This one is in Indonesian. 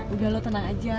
udah lo tenang aja